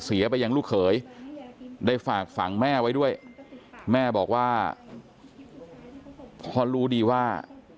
ไปยังลูกเขยได้ฝากฝั่งแม่ไว้ด้วยแม่บอกว่าพอรู้ดีว่า